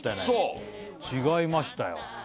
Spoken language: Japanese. そう違いましたよ